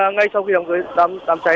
ngay sau khi đám cháy